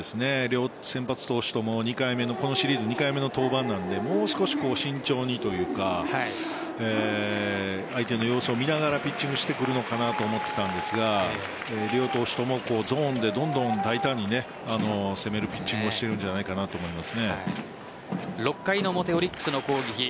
両先発投手ともこのシリーズ２回目の登板なのでもう少し慎重にというか相手の様子を見ながらピッチングしてくるのかなと思っていたんですが両投手ともゾーンでどんどん大胆に攻めるピッチングをしているんじゃないかなと６回の表、オリックスの攻撃